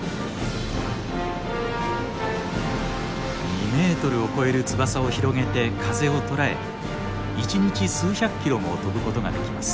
２ｍを超える翼を広げて風を捉え１日数百キロも飛ぶことができます。